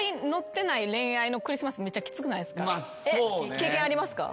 経験ありますか？